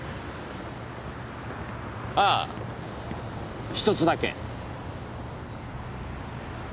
ああ１つだけ。